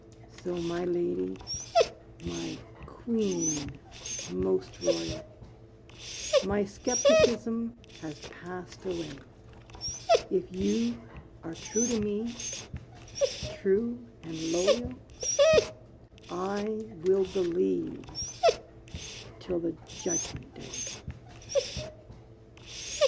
So my lady, my queen most royal, My skepticism has passed away; If you are true to me, true and loyal, I will believe till the Judgment day.